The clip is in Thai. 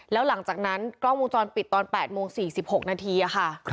แล้วหลังจากนั้นกล้องวงจรปิดตอน๘โมง๔๖นาทีค่ะ